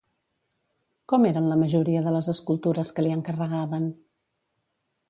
Com eren la majoria de les escultures que li encarregaven?